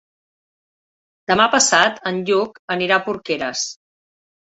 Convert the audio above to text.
Demà passat en Lluc anirà a Porqueres.